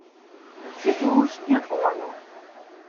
It sikehûs stiet oanjûn.